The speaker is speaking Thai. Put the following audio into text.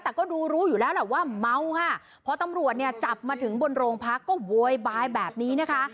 แต่ก็ดูรู้อยู่แล้วแหละว่าเมาค่ะพอตำรวจเนี่ยจับมาถึงบนโรงพักก็โวยวายแบบนี้นะคะ